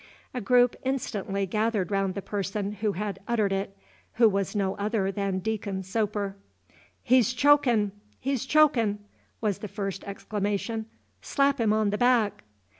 A group instantly gathered round the person who had uttered it, who was no other than Deacon Soper. "He's chokin'! he's chokin'!" was the first exclamation, "slap him on the back!"